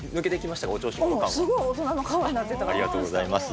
うん、すごい大人の顔になっありがとうございます。